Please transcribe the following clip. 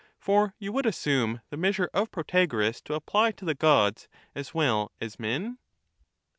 — for you would assume the measure of Protagoras to apply to the gods as well as men